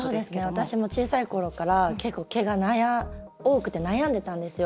私も小さいころから結構、毛が多くて悩んでたんですよ。